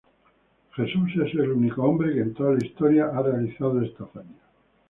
Jesús es el único hombre que, en toda la historia, ha realizado esta hazaña.